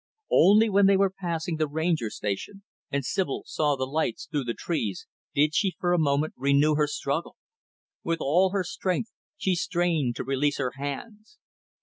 Only when they were passing the Ranger Station and Sibyl saw the lights through the trees, did she, for a moment, renew her struggle. With all her strength she strained to release her hands.